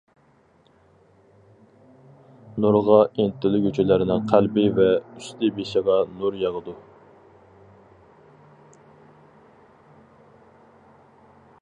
نۇرغا ئىنتىلگۈچىلەرنىڭ قەلبى ۋە ئۈستى بېشىغا نۇر ياغىدۇ.